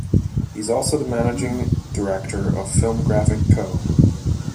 He is also the managing director of "Filmgrafic Co".